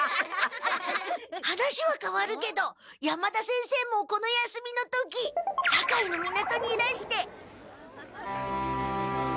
話はかわるけど山田先生もこの休みの時堺の港にいらして。